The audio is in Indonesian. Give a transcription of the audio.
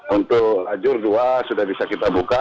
untuk lajur dua sudah bisa kita buka